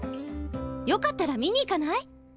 よかったら見に行かない？